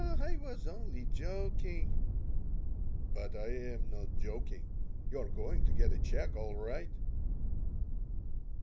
"Oh, I was only joking." "But I am not joking. You're going to get a check, all right."